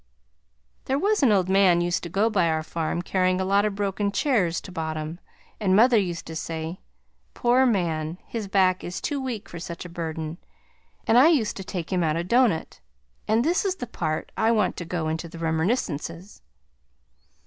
There was an old man used to go by our farm carrying a lot of broken chairs to bottom, and mother used to say "Poor man! His back is too weak for such a burden!" and I used to take him out a doughnut, and this is the part I want to go into the Remerniscences.